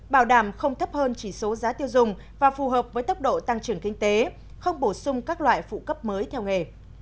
bảo đảm không thấp hơn chỉ số giá tiêu dùng và phù hợp với tốc độ tăng trưởng kinh tế không bổ sung các loại phụ cấp mới theo nghề